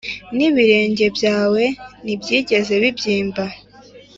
n’ibirenge byawe ntibyigeze bibyimba.